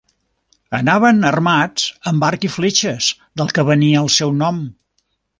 Anaven armats amb arc i fletxes, del que venia el seu nom.